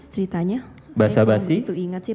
ceritanya bahasa basi saya tidak begitu ingat sih